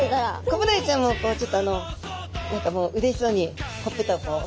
コブダイちゃんもこうちょっとあの何かもううれしそうにほっぺたをこう。